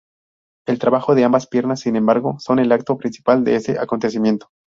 El trabajo de ambas piernas sin embargo, son el acto principal de este acontecimiento.